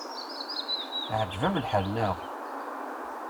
Iɛǧeb-am lḥal, anaɣ?